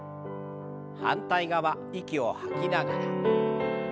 反対側息を吐きながら。